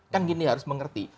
kan gini harus mengerti